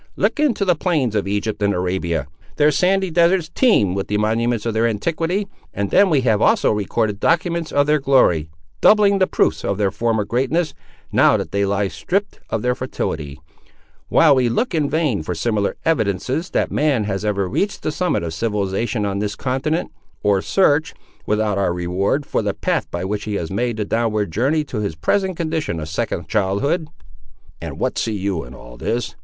"Look into the plains of Egypt and Arabia; their sandy deserts teem with the monuments of their antiquity; and then we have also recorded documents of their glory; doubling the proofs of their former greatness, now that they lie stripped of their fertility; while we look in vain for similar evidences that man has ever reached the summit of civilisation on this continent, or search, without our reward, for the path by which he has made the downward journey to his present condition of second childhood." "And what see you in all this?"